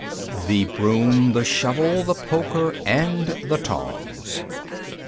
THE BROOM, THE SHOVEL, THE POKER AND THE TONGS. I.